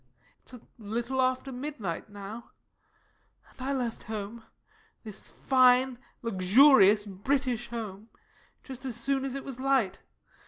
It's a little after midnight now and I left home, this fine, luxurious British home, just as soon as it was light.